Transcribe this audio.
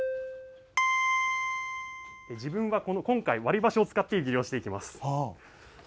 自分は今回割り箸を使って湯切りをしていきます。